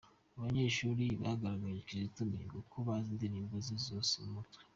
Abanyeshuri bagaragarije Kizito Mihigo ko bazi indirimbo ze zose mu mutwe.